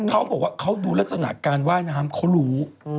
เขาบอกว่าเขาดูลักษณะการว่ายน้ำเขารู้